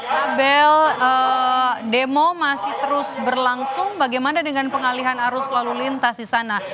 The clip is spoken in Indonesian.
abel demo masih terus berlangsung bagaimana dengan pengalihan arus lalu lintas di sana